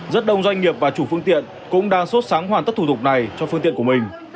rất đông doanh nghiệp và chủ phương tiện cũng đang sốt sáng hoàn tất thủ tục này cho phương tiện của mình